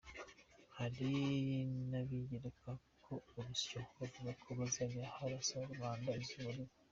Hari nabigereka ho urusyo bavuga ko bazajya barasa rubanda izuba riva.